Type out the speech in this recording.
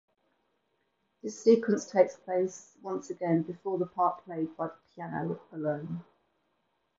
This sequence takes place once again before the part played by piano alone.